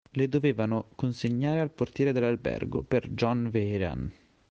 Le dovevano consegnare al portiere dell'albergo, per John Vehrehan.